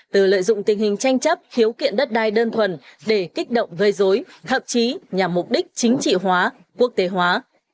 từ lợi dụng tình hình tranh chấp khiếu kiện đất đai đơn thuần để kích động gây dối thậm chí nhằm mục đích chính trị hóa quốc tế hóa